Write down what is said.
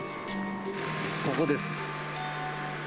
ここです。